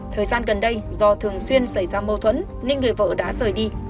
thời gian gần đây do thường xuyên xảy ra mâu thuẫn nên người vợ đã rời đi